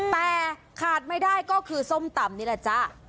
แต่ขาดไม่ได้ก็คือส้มตำนี่แหละจ๊ะ